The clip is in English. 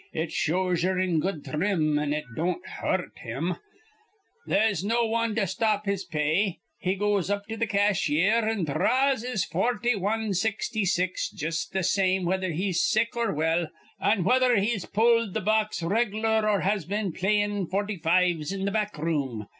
It shows ye'er in good thrim, an' it don't hur rt him. They'se no wan to stop his pay. He goes up to th' cashier an' dhraws his forty wan sixty six jus' th' same whether he's sick or well, an' whether he's pulled th' box reg lar or has been playin' forty fives in th' back room.